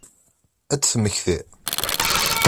Ad temmektiḍ?